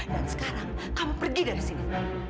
dan sekarang kamu pergi dari sini